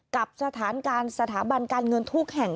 กับสถานการณ์สถาบันการเงินทุกแห่ง